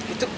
itu tuh kak